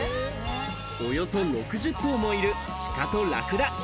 およそ６０頭もいるシカとラクダ。